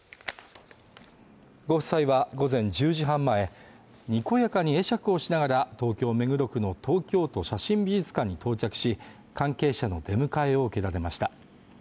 ご夫妻は午前１０時半前、にこやかに会釈をしながら、東京・目黒区の東京都写真美術館に到着し、関係者の出迎えを受けられました。